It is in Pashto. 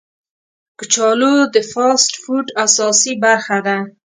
کچالو د فاسټ فوډ اساسي برخه ده